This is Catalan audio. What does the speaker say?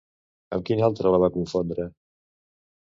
Amb quina altra la va confondre?